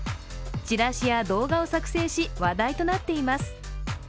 チラシや動画を作成し、話題となっています。